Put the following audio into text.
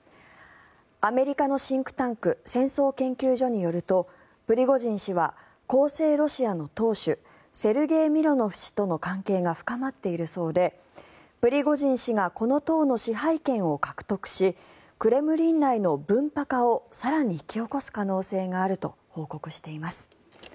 アメリカのシンクタンク戦争研究所によるとプリゴジン氏は公正ロシアの党首セルゲイ・ミロノフ氏との関係が深まっているそうでプリゴジン氏がこの党の支配権を獲得しクレムリン内の分派化を更に引き起こす可能性があると報告しています。